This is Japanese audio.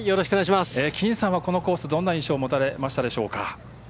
金さんはこのコースどんな印象を持たれたでしょうか。